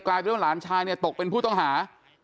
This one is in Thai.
กลายเป็นว่าหลานชายเนี่ยตกเป็นผู้ต้องหา